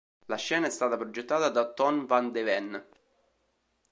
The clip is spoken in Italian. La scena è stata progettata da Ton van de Ven.